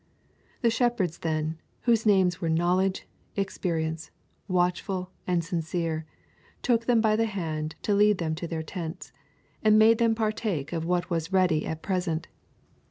The shepherds then, whose names were Knowledge, Experience, Watchful, and Sincere, took them by the hand to lead them to their tents, and made them partake of what was ready at present.